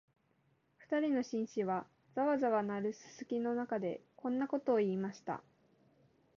二人の紳士は、ざわざわ鳴るすすきの中で、こんなことを言いました